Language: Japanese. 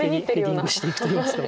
ヘディングしていくといいますか。